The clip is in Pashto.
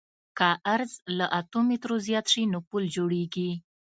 که عرض له اتو مترو زیات شي نو پل جوړیږي